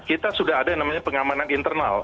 kita sudah ada yang namanya pengamanan internal